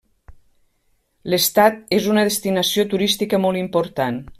L'estat és una destinació turística molt important.